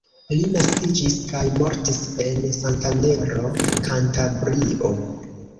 Li naskiĝis kaj mortis en Santandero, Kantabrio.